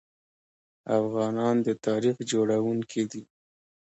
افغانان د تاریخ جوړونکي دي.